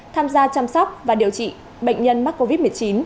tham gia chăm sóc và điều trị bệnh nhân mắc covid một mươi chín